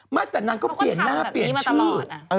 มากแต่นางก็เปลี่ยนหน้าเปลี่ยนชื่อเขาก็ถามแบบนี้มาตลอด